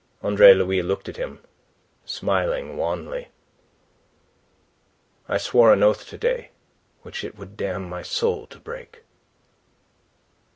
Andre Louis looked at him, smiling wanly. "I swore an oath to day which it would damn my soul to break."